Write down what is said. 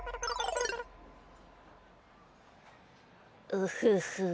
ウフフ。